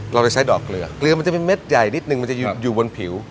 เราจะใช้ดอกเกลือเกลือมันจะเป็นเม็ดใหญ่นิดนึงมันจะอยู่บนผิว